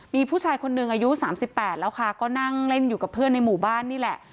มีผู้ชายคนหนึ่งอายุ๓๘แล้วค่ะก็นั่งเล่นอยู่กับเพื่อนในหมู่บ้านนี่แหละ